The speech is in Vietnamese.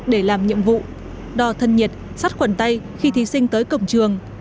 để làm nhiệm vụ đò thân nhiệt sắt khuẩn tay khi thí sinh tới cổng trường